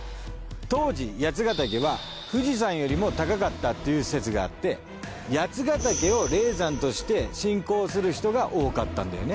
当時八ヶ岳は富士山よりも高かったっていう説があって八ヶ岳を霊山として信仰する人が多かったんだよね。